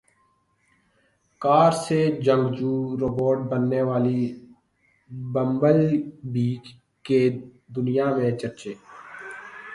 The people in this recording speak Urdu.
کار سے جنگجو روبوٹ بننے والی بمبل بی کے دنیا میں چرچے